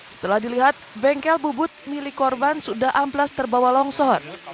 setelah dilihat bengkel bubut milik korban sudah amblas terbawa longsor